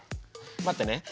待ってね。